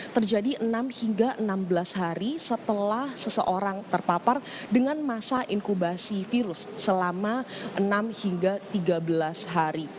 terjadi enam hingga enam belas hari setelah seseorang terpapar dengan masa inkubasi virus selama enam hingga tiga belas hari